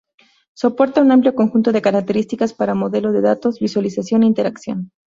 Soporta un amplio conjunto de características para modelado de datos, visualización e interacción.